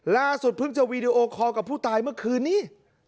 ล่าสุดเพิ่งจะวีดีโอคอลกับผู้ตายเมื่อคืนนี้